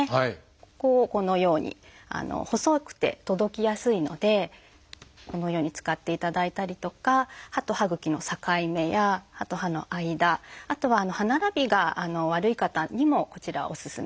ここをこのように細くて届きやすいのでこのように使っていただいたりとか歯と歯ぐきの境目や歯と歯の間。あとは歯並びが悪い方にもこちらおすすめです。